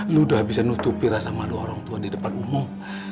lu udah bisa nutupi sama dua orang tua di depan umum